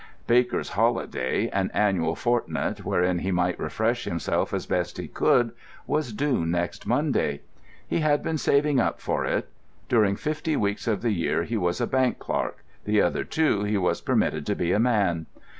Baker's holiday, an annual fortnight wherein he might refresh himself as best he could, was due next Monday. He had been saving up for it. During fifty weeks of the year he was a bank clerk, the other two he was permitted to be a man.